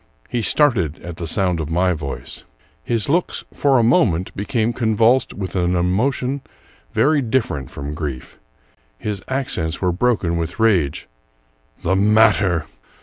He started at the sound of my voice. His looks, for a moment, became convulsed with an emotion very different from grief. His accents were broken with rage :— "The matter!